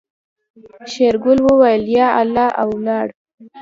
شېرګل وويل يا الله او ولاړ.